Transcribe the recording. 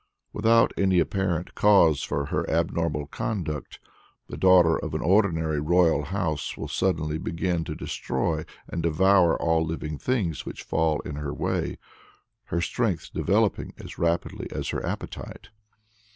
Without any apparent cause for her abnormal conduct, the daughter of an ordinary royal house will suddenly begin to destroy and devour all living things which fall in her way her strength developing as rapidly as her appetite.